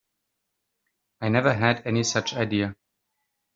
I never had any such idea.